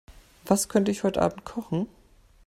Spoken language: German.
Was könnte ich heute Abend kochen?